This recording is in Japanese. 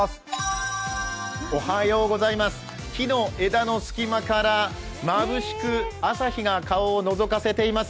木の枝の隙間からまぶしく朝日が顔をのぞかせています。